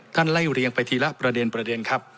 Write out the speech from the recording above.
ท่านไล่เรียงไปทีละประเด็นครับ